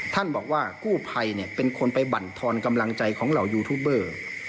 ท่านบอกว่ากู้ภัยเป็นคนไปบั่นทอนกำลังใจของเหล่ายูทูบเบอร์